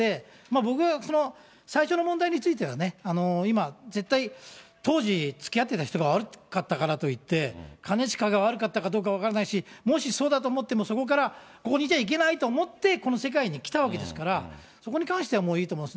僕、最初の問題についてはね、今、絶対当時、つきあってた人が悪かったからといって、兼近が悪かったかどうか分からないし、もしそうだと思っても、そこから、ここにいちゃいけないと思って、この世界に来たわけですから、そこに関してはもういいと思います。